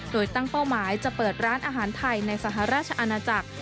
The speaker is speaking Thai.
โดยตั้งเป้าหมายจะเปิดร้านอาหารไทยในสหราชอาณาจักร